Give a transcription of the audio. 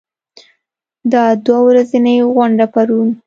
دا دوه ورځنۍ غونډه پرون